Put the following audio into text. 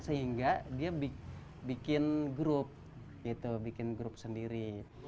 sehingga dia bikin grup gitu bikin grup sendiri